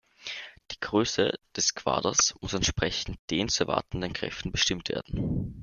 Die Größe des Quaders muss entsprechend den zu erwartenden Kräften bestimmt werden.